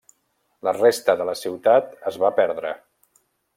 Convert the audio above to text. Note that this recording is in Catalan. La resta de la ciutat es va perdre.